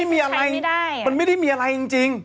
ไม่มีอะไรมันไม่ได้มีอะไรจริง